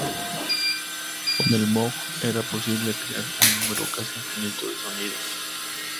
Con el Moog era posible crear un número casi infinito de sonidos.